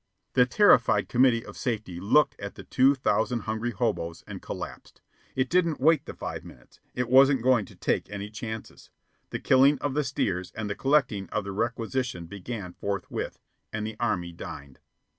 The terrified committee of safety looked at the two thousand hungry hoboes and collapsed. It didn't wait the five minutes. It wasn't going to take any chances. The killing of the steers and the collecting of the requisition began forthwith, and the Army dined.